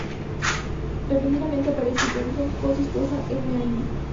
Repentinamente aparece Johnson con su esposa Elaine.